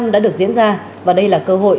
đã được diễn ra và đây là cơ hội